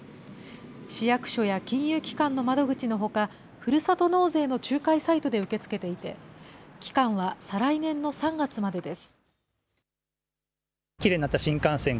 市役所や金融機関の窓口のほか、ふるさと納税の仲介サイトで受け付けていて、期間は再来年の３月までです。